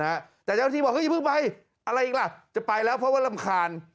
แต่เจ้าหน้าที่บอกอย่าเพิ่งไปอะไรอีกล่ะจะไปแล้วเพราะว่ารำคาญ